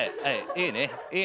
いいね。